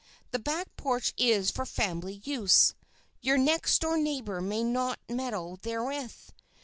The back porch is for family use. Your next door neighbor may not meddle therewith.